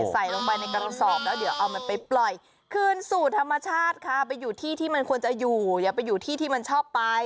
ใส่ลงไปในกระสอบแล้วเดี๋ยวเอามันไปปล่อยคืนสู่ธรรมชาติค่ะไปอยู่ที่ที่มันควรจะอยู่อย่าไปอยู่ที่ที่มันชอบไป